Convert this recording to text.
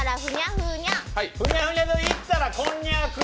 ふにゃふにゃといったらこんにゃく。